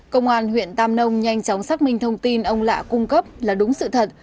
công an huyện tam nông nhanh chóng xác minh thông tin ông lạ cung cấp là đúng sự thật